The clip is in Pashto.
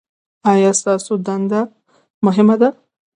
ایا ستاسو دنده مهمه ده؟